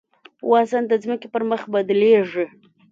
وزن د ځمکې پر مخ بدلېږي.